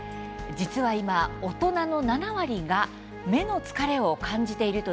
実は今、大人の７割が目の疲れを感じているといいます。